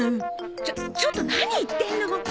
ちょちょっと何言ってんのもう。